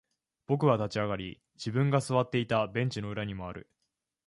僕は立ち上がり、自分が座っていたベンチの裏に回る。